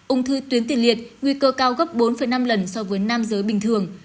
ung thư tuyến tiền liệt nguy cơ cao gấp bốn năm lần so với nam giới bình thường